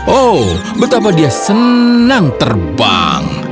oh betapa dia senang terbang